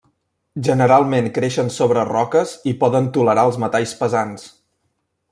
Generalment creixen sobre roques i poden tolerar els metalls pesants.